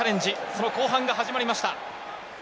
その後半が始まりました。